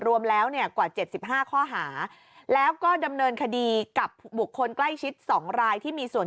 รวมแล้วเนี่ยกว่า๗๕ข้อหาแล้วก็ดำเนินคดีกับบุคคลใกล้ชิด๒รายที่มีส่วน